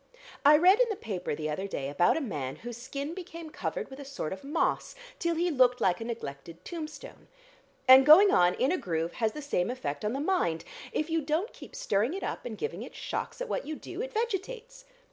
I read in the paper the other day about a man whose skin became covered with a sort of moss, till he looked like a neglected tombstone. And going on in a groove has the same effect on the mind: if you don't keep stirring it up and giving it shocks at what you do, it vegetates.